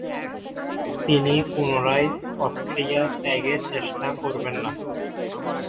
তিনি পুনরায় অস্ট্রিয়া ত্যাগের চেষ্টা করবেন না।